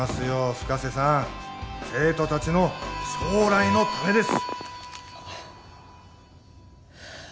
深瀬さん生徒達の将来のためです